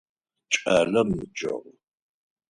Кӏалэр мэджэгу.